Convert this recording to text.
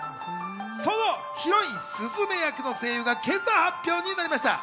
そのヒロイン・すずめ役の声優が今朝、発表になりました。